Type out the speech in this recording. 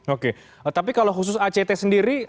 oke tapi kalau khusus act sendiri